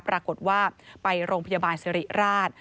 ปรากฏว่าไปโรงพยาบาลสิริราช